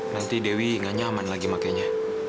nanti dewi gak nyaman lagi makanya